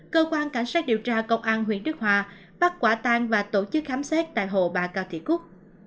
cơ quan cảnh sát điều tra công an huyện đức hòa bắt quả tang và tổ chức khám xét tại hồ bà cao thị cúc